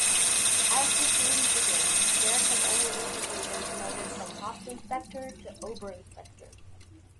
As the series begins Derrick has only recently been promoted from "Hauptinspektor" to "Oberinspektor".